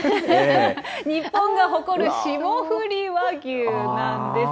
日本が誇る霜降り和牛なんです。